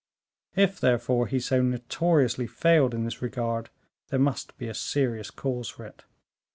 If, therefore, he so notoriously failed in this regard, there must be a serious cause for it.